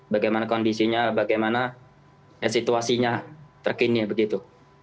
bagaimana kondisinya bagaimana situasinya terkini begitu